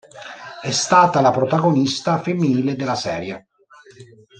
È stata la protagonista femminile della serie.